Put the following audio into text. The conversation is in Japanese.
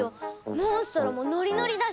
モンストロもノリノリだし。